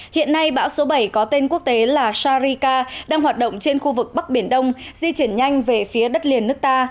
hiện nay bão số bảy có tên quốc tế là sharika đang hoạt động trên khu vực bắc biển đông di chuyển nhanh về phía đất liền nước ta